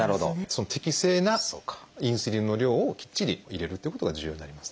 適正なインスリンの量をきっちり入れるということが重要になります。